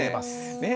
ねえ。